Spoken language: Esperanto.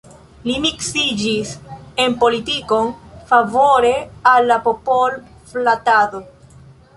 Li miksiĝis en politikon, favore al la popol-flatado.